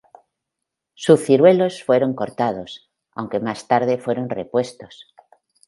Sus ciruelos fueron cortados, aunque más tarde fueron repuestos.